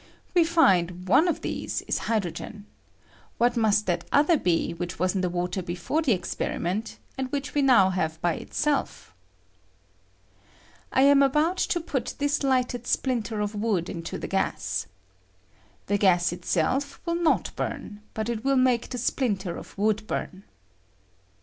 We find one of these is hydrogen: what mast that other be which was in the water before the experiment, and which we now have by itself? I am about to put this lighted splinter of wood into the gas. The gas itself will not bum, but it will make the splinter of wood burn.